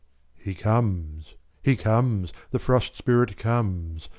He comes, he comes, the Frost Spirit comes!